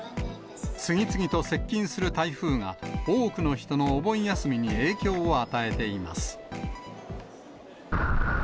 次々と接近する台風が、多くの人のお盆休みに影響を与えています。